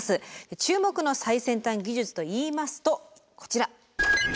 注目の最先端技術といいますとこちら。